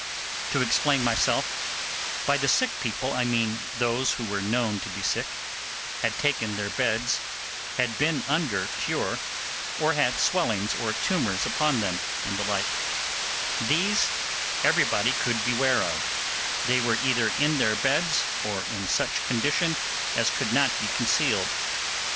To explain myself: by the sick people I mean those who were known to be sick, had taken their beds, had been under cure, or had swellings and tumours upon them, and the like; these everybody could beware of; they were either in their beds or in such condition as could not be concealed.